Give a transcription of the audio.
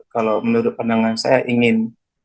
kalau menurut pandangan saya ingin